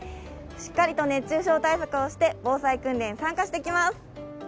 しっかりと熱中症対策をして防災訓練、参加してきます。